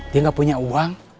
dia gak punya uang